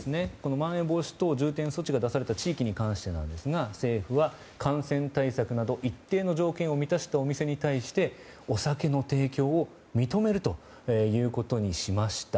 まん延防止等重点措置が出された地域に関してですが政府は感染対策など一定の条件を満たしたお店に対してお酒の提供を認めるということにしました。